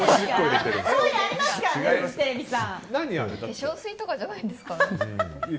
化粧水とかじゃないんですか？